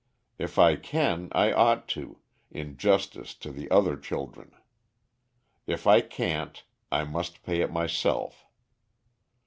If I can, I ought to, in justice to the other children. If I can't, I must pay it myself.